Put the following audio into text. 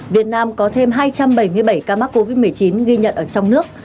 việt nam có thêm hai trăm bảy mươi bảy ca mắc covid một mươi chín ghi nhận ở trong nước